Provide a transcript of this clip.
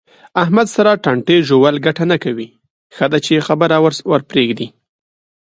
احمد سره ټانټې ژول گټه نه کوي. ښه ده چې خبره ورپرېږدې.